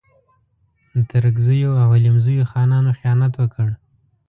د ترکزیو او حلیمزیو خانانو خیانت وکړ.